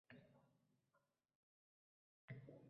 Umumiy zarar o‘n xonali sonda ifodalanadigan bo‘ldi.